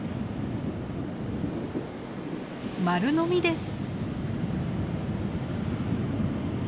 丸飲みです。